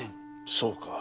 そうか。